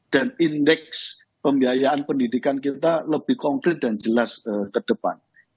indeks pembiayaan pendidikan kita lebih konkret dan jelas ke depan